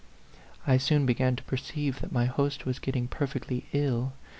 I soon began to perceive that my host was getting perfectly ill.